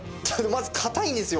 まず硬いんですよ